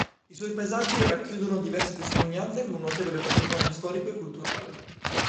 I suoi paesaggi racchiudono diverse testimonianze con un notevole patrimonio storico e culturale.